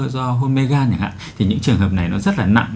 do hôn mê gan thì những trường hợp này nó rất là nặng